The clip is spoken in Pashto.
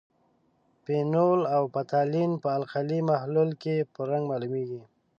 فینول فتالین په القلي محلول کې په رنګ معلومیږي.